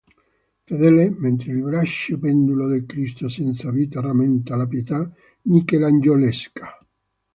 Fedele; mentre il braccio pendulo del Cristo senza vita rammenta la Pietà michelangiolesca.